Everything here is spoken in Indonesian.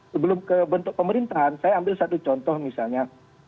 sebelum ke bentuk pemerintahan saya ambil satu contoh misalnya